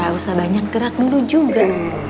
gak usah banyak kerak dulu juga